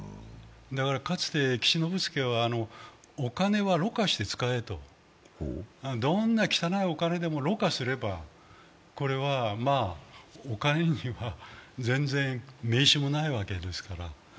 かつて岸信介はお金はろ過して使えと、どんな汚いお金でも、ろ過すればお金には全然名刺もないわけですから。